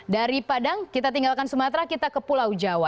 dari padang kita tinggalkan sumatera kita ke pulau jawa